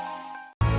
aku terlalu berharga